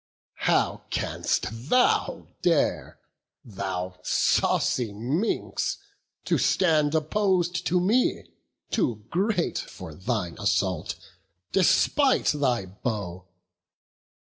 "How canst thou dare, thou saucy minx, to stand Oppos'd to me, too great for thine assault, Despite thy bow?